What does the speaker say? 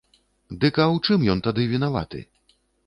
Дык а ў чым ён тады вінаваты?